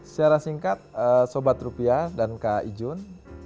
secara singkat sobat rupiah dan kak ijun